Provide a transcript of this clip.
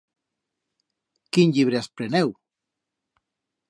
Quín llibre has preneu?